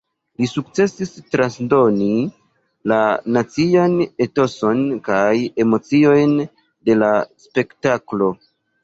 Li sukcesis transdoni la nacian etoson kaj emociojn de la spektaklo.